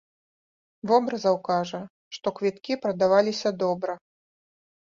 Вобразаў кажа, што квіткі прадаваліся добра.